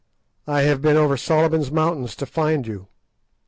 I have been over Solomon's Mountains to find you.